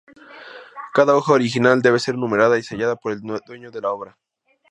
Cada hoja original debe ser numerada y sellada por el dueño de la obra.